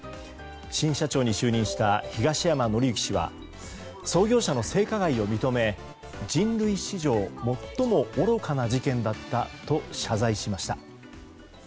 新社長に就任した東山紀之氏は創業者の性加害を認め人類史上最も愚かな事件だったと謝罪しました。